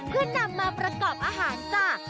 เพื่อนำมาประกอบอาหารจ้ะ